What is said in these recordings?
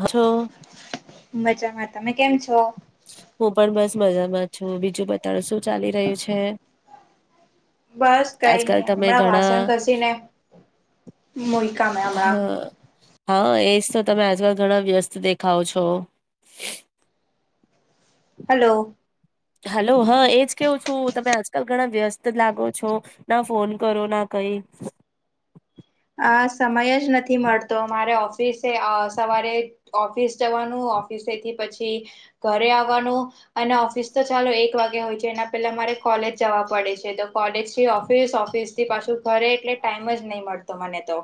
હછો મજામાં તમે કેમ છો? હું પણ બસ મજામાં છું બીજું બતાવો શું ચાલી રહ્યું છે? બસ કઈ આજકાલ ની તમે હમણાં ઘણા વાસણ કસી ને મ કમેમાં હા હા એજ તો તમે આજકાલ ઘણા વ્યસ્ત દેખાવ છો હલો હલો હા એજ કેવું છું તમે આજકાલ ઘણા વ્યસ્ત લાગો છો ના ફોન કરો ના ક ઈ આ સમય જ નથી મળતો અમારે ઓફિસે આવ સવારે ઓફિસ જવાનું ઓફિસ તઇ થી પછી ઘરે આવાનું અને ઓફિસ તો ચાલો એક વાગે હોય છે એના પેલા અમારે કોલ લેજ જવા પડે છે તો કોલેજથી ઓફિસ ઓફિસ થી પાછું ઘરે એટલે ટાઈમ જ નહી મળતો મને તો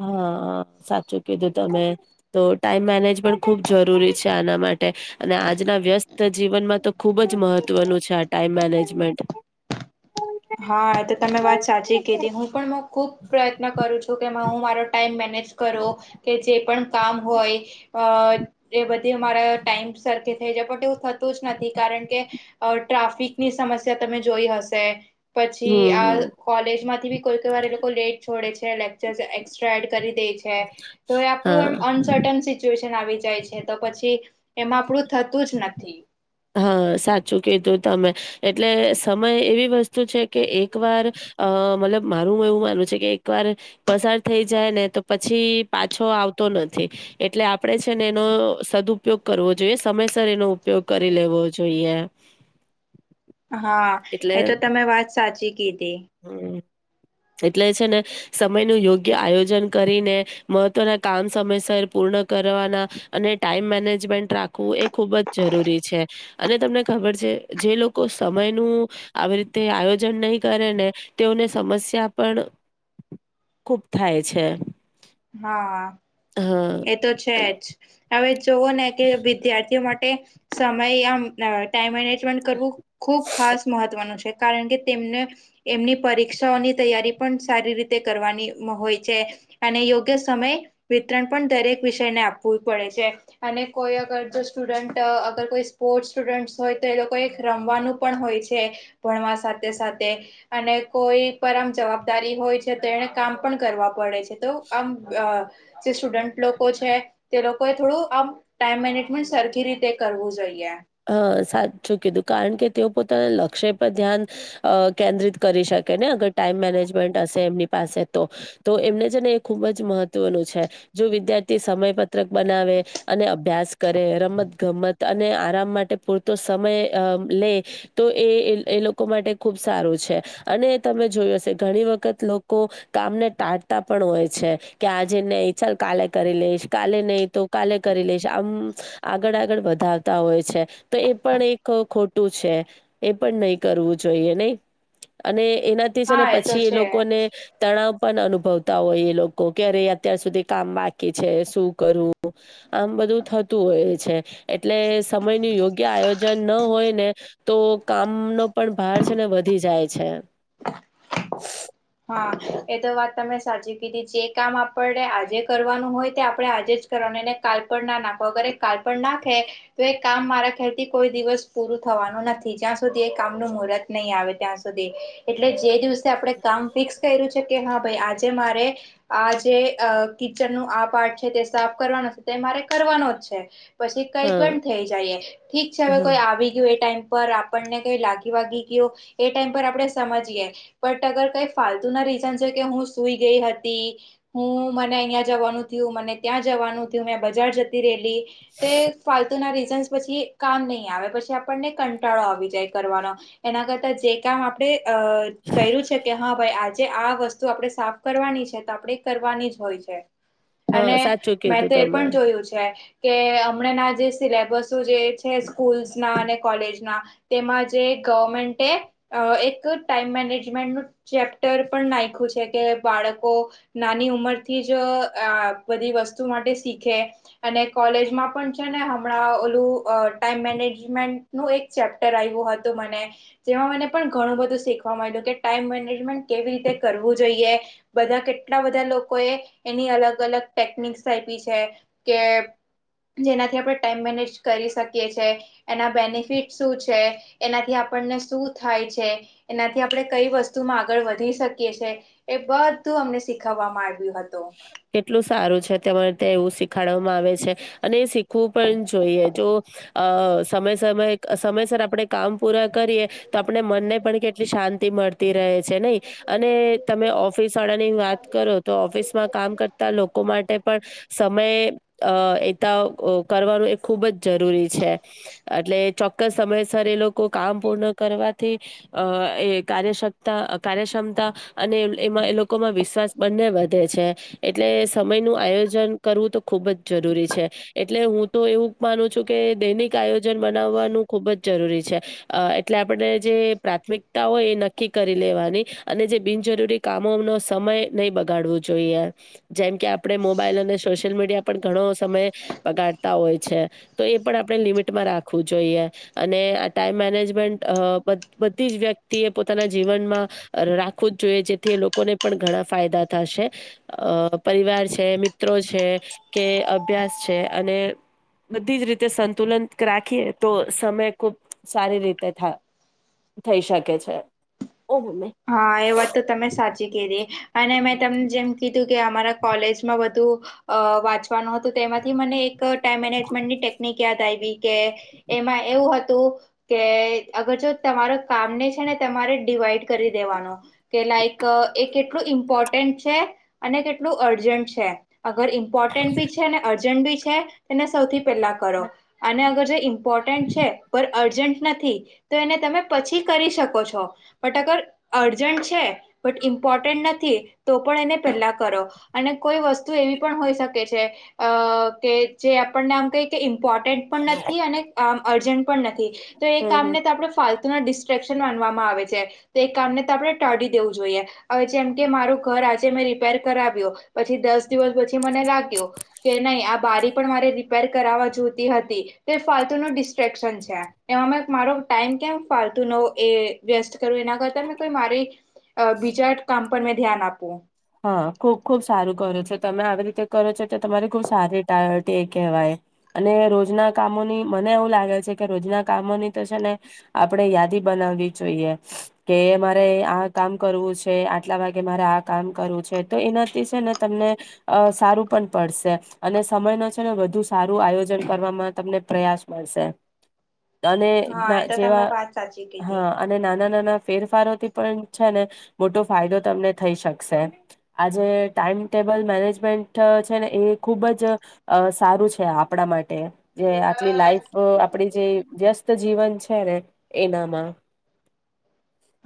હા સાચું કીધું તમે તો ટાઈમ મેનેજમેન્ટ ખુબ જરૂરી છે આના મા ટે અને આજના વ્યસ્ત જીવનમાં તો ખુબ જ મહત્વનું છે આ ટાઈમ મેનેજમેન્ટ હ હા તો તમે વાત સાચી કીધી હું પણ ખુબ પ્રયત્ન કરું છું કે હું મારો ટાઈમ મેનેજ કરો કે જે પણ કામ હોય અ એ બધી અમારા ટાઈમ સરખે થઈ જાય પણ એવું થતું જ નથી કારણ કે અ ટ્રાફિકની સમસ્યા તમે જોઈ હશે પછી હમ આ હમ કોલેજમાંથી બી કોઈ કોઈ વાર એ લોકો લેટ છોડે છે લેક્ચર એક્સ્ટ્રા એડ કરી દેય છે તો એ આપડુ હા એમ અનસર્ટન સિચ્યુએશન આવી જાય છે તો પછી એમાં આપડુ થતું જ નથી હા સાચું કીધું તમે એટલે સમય એવી વસ્તુ છે કે એક વાર અ મતલબ મારું એવું માનવું છે કે એક વાર પસાર થઈ જાય ને તો પછી પાછો આ વતો નથી એટલે આપડે છે ને એનો સદપયોગ કરવો જોઈએ સમયસર એનો ઉપયોગ કરી લેવો જોઈએ હા એટલે એ તો તમે વાત સાચી કીધી [inaudible] એટલે છે ને સમય નું યોગ્ય આયોજન કરીને મહત્વના કામ સમયસર પૂર્ણ કરવાના અને ટાઈમ મેનેજમેન્ટ રાખવું એ ખુબ જ જરૂરી છે અને તમને ખબર છે જે લોકો સમય નું આવી રીતે આયોજન નહી કરે ને તેઓને સમસ્યા પણ ખૂબ થાય છે. હા, હા. એ તો છે જ હવે જોવો ને કે વિદ્યાર્થીઓ માટે તે સમય આમ ટાઈમ મેનેજમેન્ટ કરવું ખુબ ખાસ મહત્વનું છે. કારણ કે તેમને એમની પરીક્ષાઓની તૈયારી પણ સારી રીતે કરવાની હોય છે. અને યોગ્ય સમય વિતરણ પણ દરેક વિષયને આપવું પડે છે અને કોઈ અગર સ્ટુડન્ટ અ અગર કોઈ સ્પોર્ટ સ્ટુડન્ટ હોય તો એ લોકો એક રમવાનું પણ હોય છે ભણવા સાથ સાથે અને કોઈ પરમ જવાબદારી હોય છે તો એને કામ પણ કરવા પડે છે. તો આમ જે સ્ટુડન્ટ લોકો છે તે લોકો એ થોડું આમ ટાઈમ મેનેજમેન્ટ સરખી રીતે કરવું જોઈએ. હા સાચું કીધું કારણ કે તેઓ પોતાના લક્ષ્ય પર ધ્યાન અ કેન્દ્રિત કરી શકે ને અગર ટાઈમ મેનેજમેન્ટ હશે એમની પાસ પાસે તો એમને છે ને એ ખુબ જ મહત્વનું છે. જો વિદ્યાર્થી સમય પત્રક બનાવે અને અભ્યાસ કરે, રમત ગમત અને આરામ માટે પૂરતો સમય અ લે તો એ એ લોકો માટે ખુબ સારું છે અને તમે જોયુ હશે ઘણી વખત લોકો કામને ટાળતા પણ હોય છે કે આજેને કાલે કરી લઈશ, કાલે નહી તો કાલે કરી લઈશ આમ આગળ આગળ વધાવતા હોય છે. તો એ પણ એક ખોટું છે એ પણ નહી કરવું જોઈએ, નઈ? અને એનાથી છે ને હા તો પછી એ છે લોકોને જ તણાવ પણ અનુભવતા હોય એ લોકો કે અરે અત્યાર સુધી કામ બાકી છે શું કરું આમ બધું થતું હોય છે એટલે સમયનુ યોગ્ય આયોજન ન હોય ને તો કામનો પણ ભાર છે ને વધી જાય છે. એ તો વાત તમે સાચી કીધી જે કામ આપણે આજે કરવાનું હોય તે આપણે આજે જ કરવાનું કાલ પર નાખો અગર એ કાલ પર નાખે તો એ કામ મારા ખ્યાલથી કોઈ દિવસ પૂરું થવાનું નથી. જ્યાં સુધી એ કામનુ મુહૂર્ત નહીં આવે ત્યાં સુધી એટલે જે દિવસે આપણે કામ ફિક્સ કર્યું છે કે હા ભાઈ આજે મારે આ જે અ કિચનનું આ પાર્ટ છે સાફ કરવાનો છે તે મારે કરવાનો જ છે. પછી કઈ હા પણ થઈ જાય એ ઠીક છે હવે હા કોઈ આવી ગયું એ ટાઈમ પર આપણને કઈ લાગી વાગી ગયો એ ટાઈમ પર આપણે સમજીએ પણ અગર કઈ ફાલતુ ના રીઝન હોય કે હું સુઈ ગઈ હતી, હું મને અહીંયા જવાનું થયુ મને ત્યાં જવાનું, મેં બજાર જતી રહેલી, તે ફાલતુ ના રીસ પછી કામ નહી આવે પછી આપને કંટાળો આવી જાય કરવાનો એના કરતા જે કામ આપણે અ કર્યું છ હવે આજે આ વસ્તુ આપણે સાફ કરવાની છે તો આપણેે કરવાની જ હોય છે. હા અને સાચું મેં કીધું તો એ તમે પણ જોયું છે કે હમણાં ના જે સિલેબસો જે છે સ્કૂલ્સના અને કોલેજ ના તેમાં જે ગવર્મન્ટે એ અ એક ટાઈમ મેનેજમેન્ટ ચેપ્ટર પણ નાયખૂ છે કે બાળકો નાની ઉંમરથી જ બધી વસ્તુ‌ માટે શિખે અને કોલેજમાં પણ છેને હમણાં ઓલું અ ટાઇમ મેનેજ મેન્ટ નું ચેપ્ટર આવ્યું હતું મને. જે મને ઘણું બધું શીખવા મળ્યું કે ટાઈમ કેવી રીતે કરવું જોઈએ, બધા કેટલા બધા લોકો એની અલગ અલગ ટેકની [unintelligible] છે કે જેનાથી આપણે ટાઈમ મેનેજ કરી શકીએ છીએ, એના બેનિફિટ શું છે, એનાથી આપ આપનને શું થાય છે, એનાથી આપણે કઈ વસ્ આગળ વધી શકીએ છીએ. એ બધું અમને શીખવવામાં આવુ. કેટલું સારું છ તમારે તો એવું શીખાડવામાં આવે છે અને શીખવું પણ જોઈએ જો અ સમય સમય સમયસર આપણે કામ પૂરા કરીએ તો આપણે મનને પણ કેટલી શાંતિ મળતી રહે છ જે નહી અને તમે ઓફિસ વાળા ની વાત કરો તો ઓફિસ પણ સમય અ એતા કરવાનું એ ખૂબ જ જરૂરી છે. એટલે ચોક્કસ સમયસર એ લોકો કામ પૂર્ણ કરવાથી અ એ કાર્યક્ષક્તા કાર્યક્ષમતા અને એમાં એ લોકોમાં વિશ્વાસ બંને વ ધે છે, એટલે સમયનું આયોજન કરવું તો ખુબ જ જરૂરી છે, એટલે હું તો એવું માનું છું કે દૈનિક આયોજન બનાવવાનું ખુબ જ જરૂરી છે, અ એટલે આપણે જે પ્રાથમિકતા હોય એ નક્કી કરી લેવાની અને જે બિનજરૂરી કામોનો સમય નહીં બગાડવો જોઈએ જેમ કે આપણે મોબાઈલ અને સોશિયલ મીડિયા પણ ઘણો સમય બગાડતા હોય છે. તો એ પણ આપ લિમિટમાં રાખવું જોઈએ અને આ ટાઈમ મેનેજમેન્ટ અ બ બધી વ્યક્તિ એ પોતાના જીવનમાં રાખવું જ જોઈએ જેથી એ લોકોને પણ ઘણા ફાયદા થશે અ પરિવાર છે, મિત્રો છે, કે અભ્યાસ છે, અને બધી જ રીતે સંતુલન રાખીએ તો સમય ખુબ સારી રીતે થા થઈ શકે છે. ઓ મમ્મી હા એ વાત તો તમે સાચી કીધી અને મેં તમ જેમ કીધું કે અમારા કોલેજમાં વધું અ વાંચવાનું હતું તેમાંથી મને એ ક ટાઈમ મેનેજમેન્ટ ની ટેકનીક યાદ આયવી કે એમાં એવું હતું કે અગર જો તમારો કામને છે, ને તમારે ડિવાઈડ કરી દેવાનો કે લાઈક અ એ કેટલું ઇમ્પોર્ટન્ટ છે, અને કેટલું અર્જન્ટ છે. અગર ઇમ્પોર્ટન્ટ બી છે, ને અર્જન્ટ બી છે, તેને સૌથી પહેલા કરો અને અગર જો ઇમ્પોર્ટન્ટ છે, પર અર્જન્ટ નથી, તો એને તમે પછી કરી શકો છો બટ અગર અર્જન્ટ છે, બટ ઇમ્પોર્ટન્ટ નથી તો પણ એને પેલા કરો અને કોઈ વસ તુ એવી પણ હોય શકે છે, અ કે જે આપણને આમ કંઈક ઇમ્પોર્ટન્ટ પણ નથી અને આ અર્જન્ટ પણ નથી તો એ હમ કામ હમ. ને આપણે ફાલ તુનો ડિસ્ટ્રેક્શન માનવામાં આવે છે. તે કામને તો આપણે ટાળી દેવું જોઈએ હવે જેમ કે મારું ઘર આજે મેં રિપેર કરાવ્યો પછી દ દસ દિવસ પછી મને લાગ્યો કે નહી આ બારી પણ મારે રિપેર કર જોતી હતી તે ફા ફાલતુ નુ ડિસ્ટ્રેક્શન છે એમાં મારો ટાઈમ કેમ ફાલતુનો એ વેસ્ટ કરું એના પર તમે કોઈ મારી અ બીજા કામ પર મેં ધ્યાન આપું હા, ખુબ ખુબ સારું કરો છો તમે આવી રીતે કરો છો તો તમારી ખુબ સારી ટા ટે કહેવાય અને રોજના કામોની મને એવું લાગે છે, કે રોજના કામોની તો છે, ને આપડે યાદી બનાવી જોઈએ કે મારે આ કામ કરવું છે, આટલા વાગે મારે આ કામ કરું છે, તો એનાથી છે, ને તમને સારું પણ પડશે અને સમયનો છે, ને વધુ સા સારું આયોજન કરવામાં તમને પ્રયાસ મળશે. અને હા એ તો તમે જેવા વાત સાચી કીધી હા અને નાના નાના ફેરફારોથી પણ છે, ને મોટો ફાયદો તમને થઈ શકશે આજે ટાઈમટેબલ મેનેજમેન્ટ છે, ને એ ખુબ જ અ સારું છે આપણા માટે આટલી લાઈફ જે વ્યસ ત જીવન છે, ને એનામાં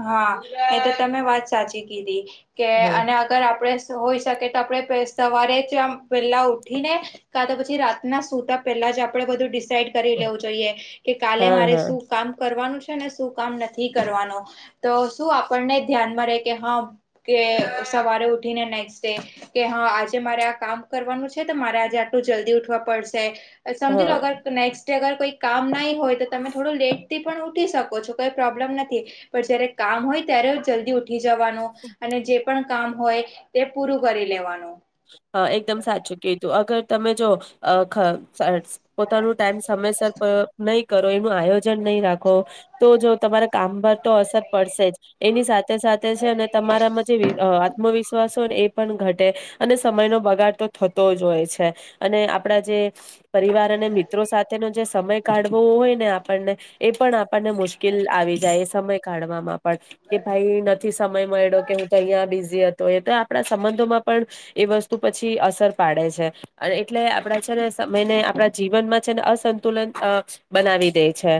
હા, એ તો તમે વાત સાચી કીધી કે હ અને અગર આપણેે હોય શકે તો આપડે સવારે જ આમ વેલા ઉઠીને કા તો પછી રાતના સુતા પેલા આપડે બધું ડિસ- ડિસાઈડ કરી લેવું જોઈએ કે કાલે હા મારે હા શું કામ કરવાનું છે, ને શું કામ નથી કરવાનું તો શું આપણને ધ્યાનમાં રે કે હા કે સવારે ઉઠીને નેક્સ્ટ ડે કે હા, આજે મારે આ કામ કરવાનું છે, તો મારે આજે આટલું જલ્દી ઉઠવા પડશે સમજી હા લો અગર નેક્સ્ટ ડે અગર કોઈ કામ નાઈ હોય તો તમે થોડું લેટ થી પણ ઉઠી શકો છો, કઈ પ્રોબ્લેમ નથી. પણ જયારે કામ હોય ત્યારે જલ્દી ઉઠી જવાનું અને જે પણ કામ હોય તે પૂરું કરી લે લેવાનું. હા, એકદમ સાચું કીધું અગર તમે જો અ ખ પોતાનું ટાઈમ સમયસર નહી કરો એનું આયોજન નહી રાખો તો જો તમારા કામ પર તો અસર પડશે જ એની સાથે સાથે છે અને તમારામાં જે આત્મવિશ્વાસ હોય ને એ પણ ઘટે અને સમય નો બગાડ તો થતો જ હોય છે, અને આપડા જે પરિવાર અને મિત્રો સાથે જે સમય કાઢવો હોય ને આપણને એ પણ આપણને મુશ્કેલ આવી જાય એ સમય કાઢવામાં કે ભાઈ નથી સમય મળ્યો કે હું તો અહીં બીઝી હતો એ તો આપણા સંબંધોમાં પણ એ વસ્તુ પછી અસર પાડે છે અને એટલે આપડા છે સમયને આપણા જીવનમાં છે ને અસ અસંતુલિત બનાવી દે છે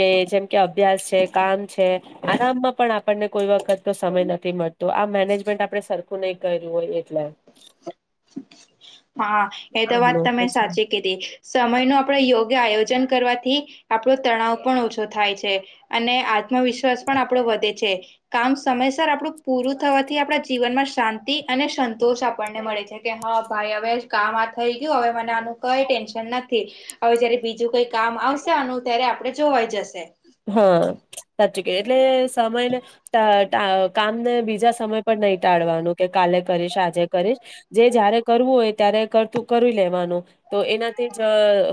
કે જેમ કે અભ્યાસ છે, કામ છે આમ પણ આપણને કોઈ વખત તો સમય નથી મળતો આ મેનેજમેન્ટ આપણે સરખું નહી કર્યું હોય એટલે હા, એ તો વાત આવડો તમે છે સાચી કીધી સમયનો આપડે યોગ્ય આયોજન કરવાથી આપણો તણાવ પણ ઓછો થાય છે અને આત્મવિશ્વાસ પણ આપણો વધે છે. કામ સમયસર આપણું પૂરું થવાથી આપડા જીવનમાં શાંતિ અને સંતોષ આપણને મળે છે. કે હા, ભાઈ હવે કામ આ થઈ ગયું. હવે, મને આનું કઈ ટેન્શન નથી. હવે જયારે બીજું કઈ કામ. આમ આવશે આનું ત્યારે આપડે જોવાઈ જશે. હા, સાચું કે એટલે સમયને. કામ ને બીજા સમય પર નહી ટાળવાનું કે કાલે કરીશ આજે કરીશ. જે જય્યારે કરવું. હોય ત્યારે કરું કરી લેવાનું, તો એનાથી જ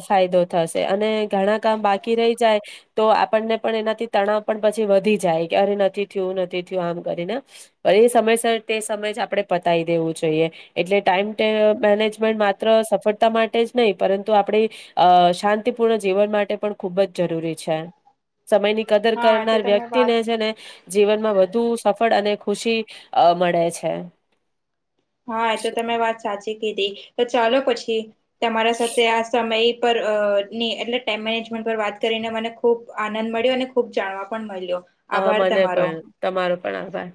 ફાયદો થશે અને ઘણા કામ. બાકી રહી જાય તો. આપને પણ એનાથી તણાવ પણ પછી વધી જાય કે અરે નથી થયું નથી થયું આમ કરીને એ સમય. સમય જ આપડે પતાવી દેવું જોઈએ એટલે ટાઈમ મેનેજમેન્ટ માત્ર સફળતા. માટે જ નહીં પરંતુ આપણી શાંતિપૂર્ણ જીવન માટે પણ ખૂબ જ જરૂરી. છે સમયની કદર હા એ તો કરનાર તમે વ્યક્તિ વાત ને છે ને. જીવનમાં વધુ સફળ અને ખુશી મળે છે. હા, એ તો તમે વાત સાચી કીધી. તો ચાલો પછી તમારા સાથે આ સમય. ની એટલે ટાઈમ મેનેજમેન્ટ પર વાત કરીને મને ખૂબ. આનંદ મળ્યો અને ખુબ જાણવા પણ મળ્યો. હ! આભાર મને તમારો પણ તમારો પણ આભાર.